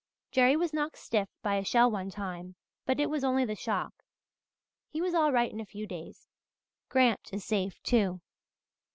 Jerry was knocked stiff by a shell one time, but it was only the shock. He was all right in a few days. Grant is safe, too."